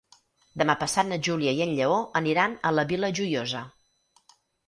Demà passat na Júlia i en Lleó aniran a la Vila Joiosa.